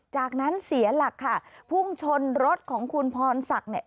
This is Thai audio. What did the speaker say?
จากนั้นเสียหลักค่ะพุ่งชนรถของคุณพรศักดิ์เนี่ย